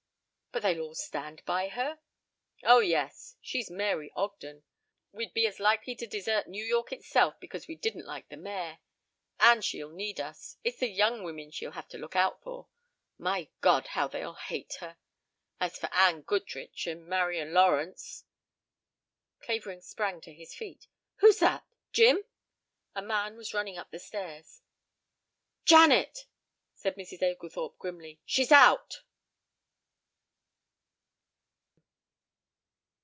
"But they'll all stand by her?" "Oh, yes, she's Mary Ogden. We'd be as likely to desert New York itself because we didn't like the mayor. And she'll need us. It's the young women she'll have to look out for. My God! How they'll hate her. As for Anne Goodrich and Marian Lawrence " Clavering sprang to his feet. "Who's that? Jim?" A man was running up the stairs. "Janet," said Mrs. Oglethorpe grimly. "She's out."